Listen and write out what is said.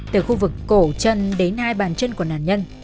từ khu vực cổ chân đến hai bàn chân của nạn nhân